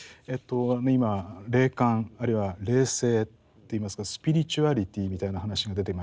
今霊感あるいは霊性っていいますかスピリチュアリティみたいな話が出てまいりましたね。